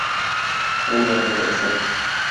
Ул - мәгърифәтче!